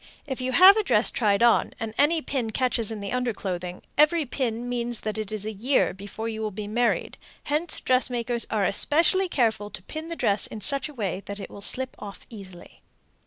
If you have a dress tried on, and any pin catches in the underclothing, every pin means that it is a year before you will be married; hence dressmakers are especially careful to pin the dress in such a way that it will slip off easily.